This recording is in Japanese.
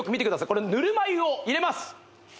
これぬるま湯を入れます